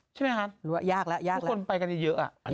ใช่มั้ยคะทุกคนไปกันเยอะ